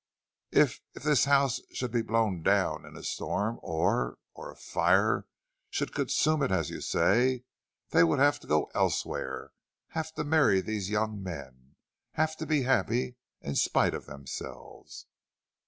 "If if this house should be blown down in a storm or or a fire should consume it as you say, they would have to go elsewhere, have to marry these young men, have to be happy in spite of themselves."